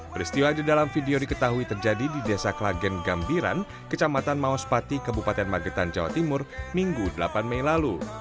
peristiwa di dalam video diketahui terjadi di desa klagen gambiran kecamatan mauspati kebupaten magetan jawa timur minggu delapan mei lalu